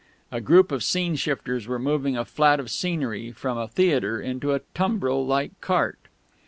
A group of scene shifters were moving a flat of scenery from a theatre into a tumbril like cart...